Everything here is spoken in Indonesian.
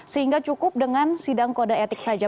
sehingga cukup dengan sidang kode etik saja